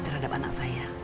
terhadap anak saya